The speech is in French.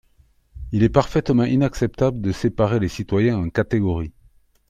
Il est parfaitement inacceptable de séparer les citoyens en catégories.